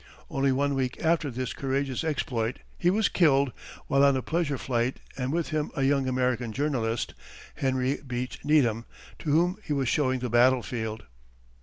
Only one week after this courageous exploit he was killed while on a pleasure flight and with him a young American journalist, Henry Beach Needham, to whom he was showing the battlefield.